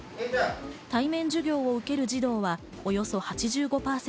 対面授業を受ける授業は、およそ８５％。